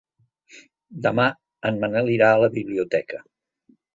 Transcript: Demà en Manel irà a la biblioteca.